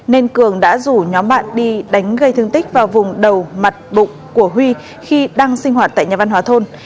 nên cường đã rủ nhóm bạn đi đánh gây thương tích vào vùng đầu mặt bụng của huy khi đang sinh hoạt tại nhà văn hóa thôn